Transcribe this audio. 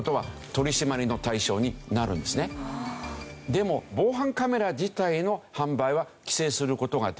でも防犯カメラ自体の販売は規制する事ができない。